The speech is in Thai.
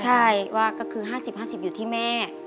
ใช่ว่าก็คือ๕๐๕๐อยู่ที่แม่